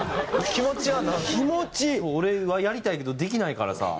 俺はやりたいけどできないからさ。